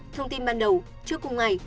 thông tin ban đầu trước cùng ngày